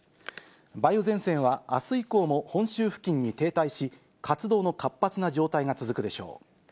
梅雨前線はあす以降も本州付近に停滞し、活動の活発な状態が続くでしょう。